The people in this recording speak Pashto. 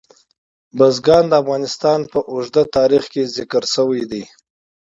بزګان د افغانستان په اوږده تاریخ کې ذکر شوی دی.